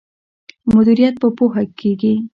مدیریت په پوهه کیږي.